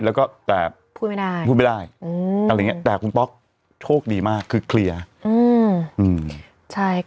แล้วก็แต่พูดไม่ได้แต่คุณป๊อกโชคดีมากคือเคลียร์